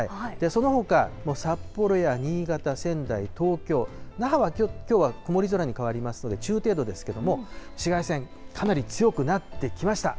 そのほか、もう札幌や新潟、仙台、東京、那覇はきょうは曇り空に変わりますので、中程度ですけれども、紫外線、かなり強くなってきました。